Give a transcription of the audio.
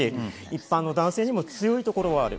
一般の男性にも強いところはある。